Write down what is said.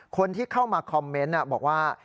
คนที่เข้ามาคอมเมนต์บอกว่า